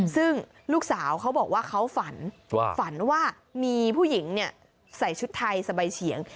ซึ่งลูกสาวเขาบอกว่าเขาฝันฝันว่ามีผู้หญิงใส่ชุดไทยสบายเฉียง